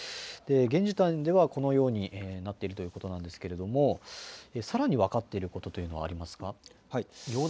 現時点では、このようになっているということなんですけれども、さらに分かっていることというのはありますか？